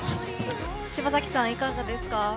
柴咲さん、いかがですか。